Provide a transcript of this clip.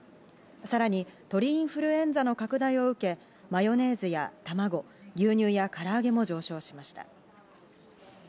さらに鳥インフルエンザの拡大を受け、マヨネーズやたまご、牛乳やから揚げも上昇しました。